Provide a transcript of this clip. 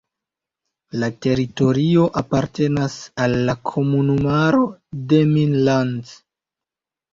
La teritorio apartenas al la komunumaro Demmin-Land.